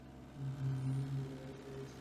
আমার একটা মেয়ে আছে।